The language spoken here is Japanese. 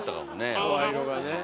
声色がね。